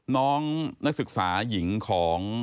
น้องนักศึกษาหญิงของ